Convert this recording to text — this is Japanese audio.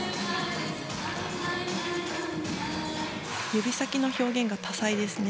指先の表現が多彩ですね。